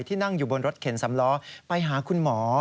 นั่งอยู่บนรถเข็นสำล้อไปหาคุณหมอ